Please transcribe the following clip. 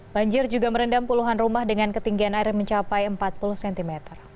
banjir juga merendam puluhan rumah dengan ketinggian air mencapai empat puluh cm